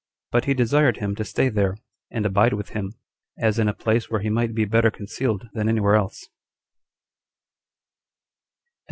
But he desired him to stay there, and abide with him, as in a place where he might be better concealed than any where else.